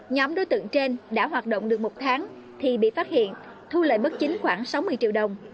nhóm đối tượng trên đã hoạt động được một tháng thì bị phát hiện thu lợi bất chính khoảng sáu mươi triệu đồng